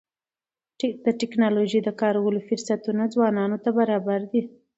د ټکنالوژۍ د کارولو فرصتونه ځوانانو ته برابر دي.